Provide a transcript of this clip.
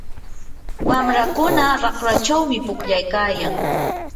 wamrakuna raqrachawmi pukllaykayan.